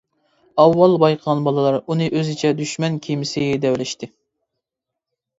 ئاۋۋال بايقىغان بالىلار ئۇنى ئۆزىچە دۈشمەن كېمىسى دەۋېلىشتى.